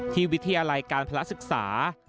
วิทยาลัยการพระศึกษา